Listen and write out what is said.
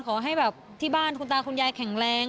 ขอให้แบบที่บ้านคุณตาคุณยายแข็งแรง